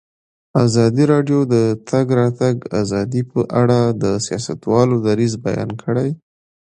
ازادي راډیو د د تګ راتګ ازادي په اړه د سیاستوالو دریځ بیان کړی.